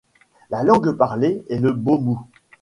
La langue parlée est le bomou.